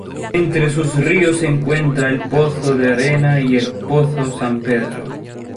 Entre sus ríos se encuentran el Pozo de Arena y el Pozo San Pedro.